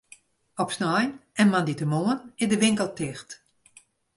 Op snein en moandeitemoarn is de winkel ticht.